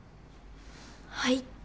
はい。